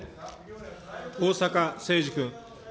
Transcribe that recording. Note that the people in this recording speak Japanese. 逢坂誠二君。